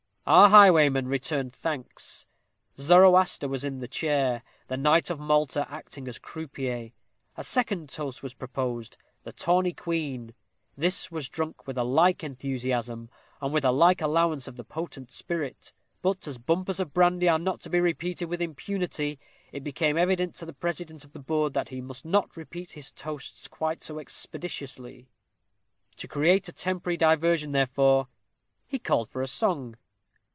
Our highwayman returned thanks. Zoroaster was in the chair, the knight of Malta acting as croupier. A second toast was proposed the tawny queen. This was drunk with a like enthusiasm, and with a like allowance of the potent spirit; but as bumpers of brandy are not to be repeated with impunity, it became evident to the president of the board that he must not repeat his toasts quite so expeditiously. To create a temporary diversion, therefore, he called for a song.